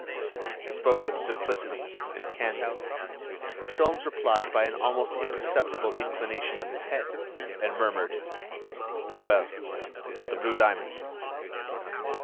He spoke with simplicity and candor. Sholmes replied by an almost imperceptible inclination of his head, and murmured: "Very well, the blue diamond."